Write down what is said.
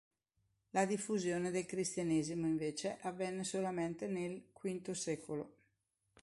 La diffusione del cristianesimo, invece, avvenne solamente nel V secolo.